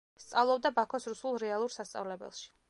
სწავლობდა ბაქოს რუსულ რეალურ სასწავლებელში.